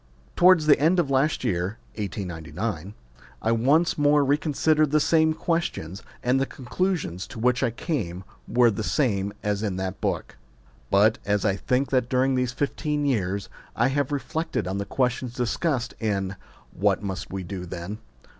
Towards the end of last year (1899) I once more reconsidered the same questions, and the conclusions to which I came were the same as in that book. But, as I think that during these fifteen years I have re flected on the questions discussed in What Must We Do Then